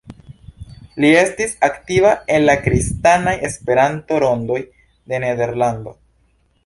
Li estis aktiva en la kristanaj Esperanto-rondoj de Nederlando.